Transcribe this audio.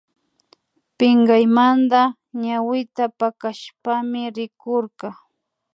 Pinkaymanta ñawita pakashpami rikurka